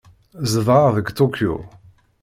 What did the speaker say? Zedɣeɣ deg Tokyo.